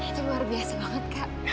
itu luar biasa banget kak